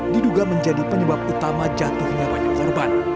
diduga menjadi penyebab utama jatuhnya banyak korban